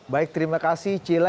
baik terima kasih cila